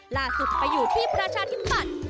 ล่าสุดไปอยู่ที่ประชาธิปัตย์